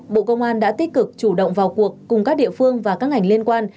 bộ công an đã tích cực chủ động vào cuộc cùng các địa phương và các ngành liên quan